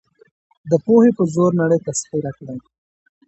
د پوهې په زور نړۍ تسخیر کړئ.